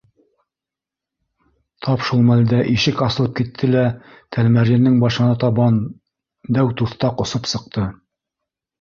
Тап шул мәлдә ишек асылып китте лә Тәлмәрйендең башына табан дәү туҫтаҡ осоп сыҡты.